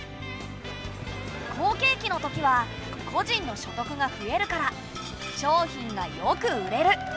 好景気のときは個人の所得が増えるから商品がよく売れる。